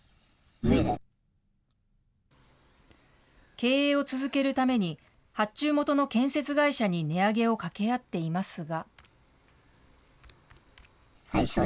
経営を続けるために、発注元の建設会社に値上げを掛け合っていますが。